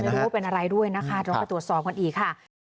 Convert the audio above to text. ไม่รู้ว่าเป็นอะไรด้วยเราไปตรวจสอบกันอีกค่ะ